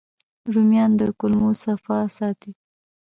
رومیان د کولمو صفا ساتي